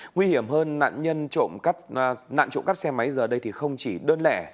nguy hiểm hơn nạn trộm cắp xe máy giờ đây không chỉ đơn lẻ